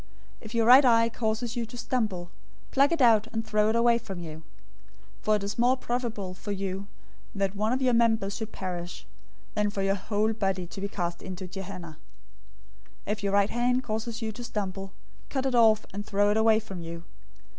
005:029 If your right eye causes you to stumble, pluck it out and throw it away from you. For it is more profitable for you that one of your members should perish, than for your whole body to be cast into Gehenna.{or, Hell} 005:030 If your right hand causes you to stumble, cut it off, and throw it away from you.